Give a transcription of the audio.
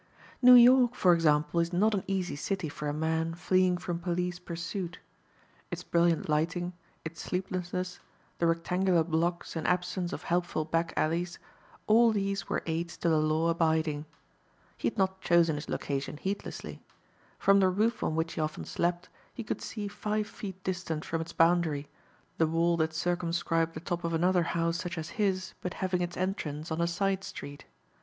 New York, for example, is not an easy city for a man fleeing from police pursuit. Its brilliant lighting, its sleeplessness, the rectangular blocks and absence of helpful back alleys, all these were aids to the law abiding. He had not chosen his location heedlessly. From the roof on which he often slept he could see five feet distant from its boundary, the wall that circumscribed the top of another house such as his but having its entrance on a side street.